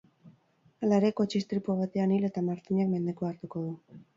Hala ere, kotxe-istripu batean hil eta Martinek mendekua hartuko du.